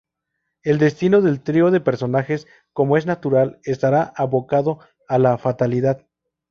El destino del trío de personajes, como es natural, estará abocado a la fatalidad.